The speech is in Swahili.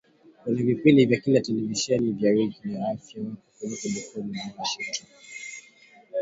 una vipindi vya televisheni vya kila wiki vya Afya Yako Zulia Jekundu na Washingotn